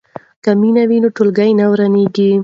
که مینه وي نو ټولګی نه ورانیږي.